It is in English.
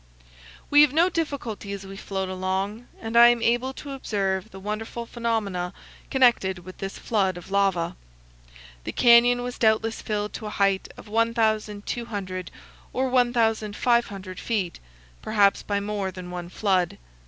We have no difficulty as we float along, and I am able to observe the wonderful phenomena connected with this flood of lava. The canyon was doubtless filled to a height of 1,200 or 1,500 feet, perhaps by more than one flood.